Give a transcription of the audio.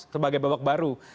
sebagai babak baru